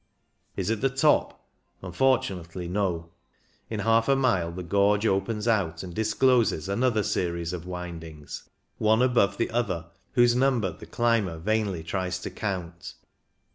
Is it the top? Unfortunately, no. In half a mile the gorge opens out and dis closes another series of windings, one above the other, whose number the climber vainly tries to count.